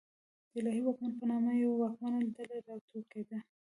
د الهي واکمن په نامه یوه واکمنه ډله راوټوکېده.